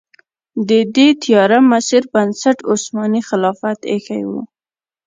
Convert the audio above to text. د دې تیاره مسیر بنسټ عثماني خلافت ایښی و.